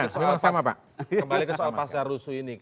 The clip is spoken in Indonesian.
kembali ke soal pasar rusuh ini